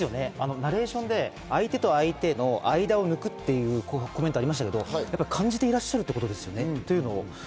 ナレーションで相手と相手の間を抜くっていうコメントがありましたけど感じていらっしゃるってことですよね。